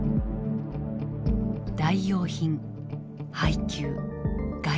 代用品配給外米。